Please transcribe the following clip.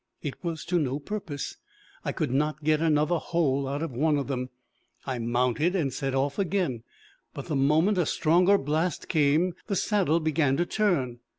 It was to no purpose: I could not get another hole out of one of them. I mounted and set off again; but the moment a stronger blast came, the saddle began to turn.